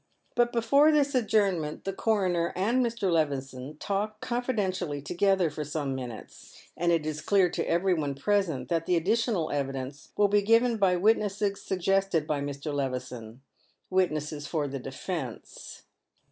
But before this adjournment the coroner and Mr. Levison talk confidentially together for some minutes, and it is clear to every one present that the additional evidence will be given by witnesses suggested by Mr. Levison, — witnesses for the defence.